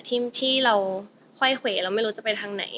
ที่เราค่อยเขวเราไม่รู้จะไปทางไหน